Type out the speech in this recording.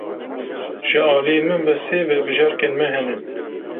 Ji aliyê min ve sê vebijarkên me hene.